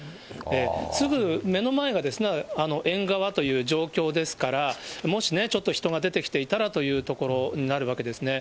すぐ目の前が縁側という状況ですから、もしね、ちょっと人が出てきていたらというところになるわけですね。